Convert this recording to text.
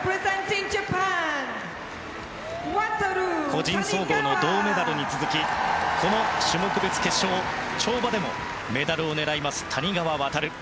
個人総合の銅メダルに続きこの種目別決勝、跳馬でもメダルを狙います、谷川航。